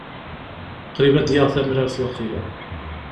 Qrib ad d-yaɣ tamrart waqila.